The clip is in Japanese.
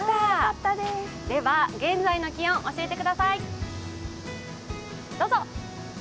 では、現在の気温教えてください。